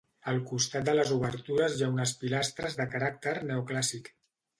Al costat de les obertures hi ha unes pilastres de caràcter neoclàssic.